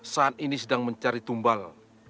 saat ini sedang mencari tumbal